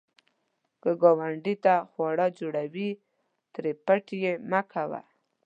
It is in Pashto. که ګاونډي ته خواړه جوړوې، ترې پټ یې مه کوه